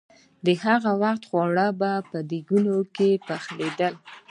د هغه وخت خواړه به په دېګونو کې پخېدل.